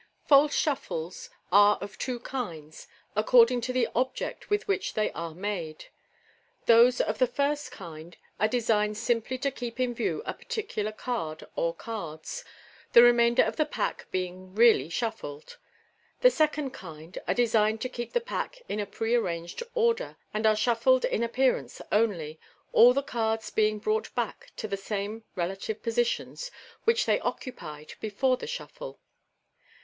— False shuffles are of two kinds, according to the object with which they are made. Those of the first kind are designed simply to keep in view a particular card or cards, the remainder of the pack being really shuffled. The second kind are designed to keep the pack in a pre arranged order, and are shuffles in appearance only, all the cards being brought back to the same relative positions which they occupied before the shuffle.